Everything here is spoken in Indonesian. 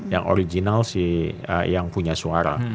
yang original si yang punya suara